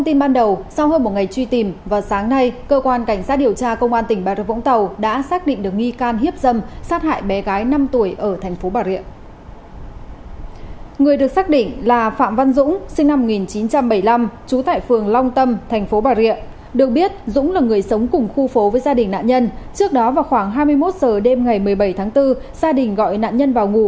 tỉnh hậu giang hôm nay cho biết vừa khởi tố và ra lệnh tạm giam đối tượng phan minh hiệp sinh năm một nghìn chín trăm tám mươi bảy